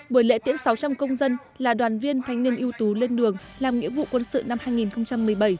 buổi lễ tiễn sáu trăm linh công dân là đoàn viên thanh niên ưu tú lên đường làm nghĩa vụ quân sự năm hai nghìn một mươi bảy